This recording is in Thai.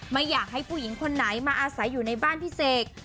ไม่อยากให้ผู้หญิงคนไหนมาอาศัยอยู่ในบ้านพี่เสก